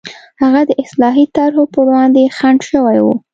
هغه د اصلاحي طرحو پر وړاندې خنډ شوي وو.